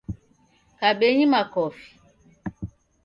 Kabenyi makofi.